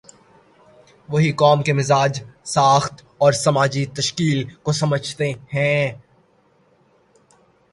وہی قوم کے مزاج، ساخت اور سماجی تشکیل کو سمجھتے ہیں۔